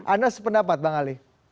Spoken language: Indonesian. anda sependapat bang ali